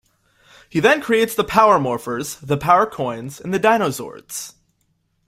He then creates the Power Morphers, the Power Coins and the Dinozords.